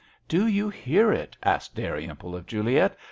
" Do you hear it ?" asked Dalrymple of Juliet.